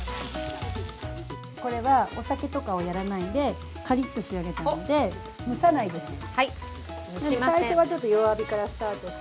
これはお酒とかをやらないでカリッと仕上げたいので、蒸さないですよ。